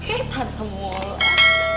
eh tante mula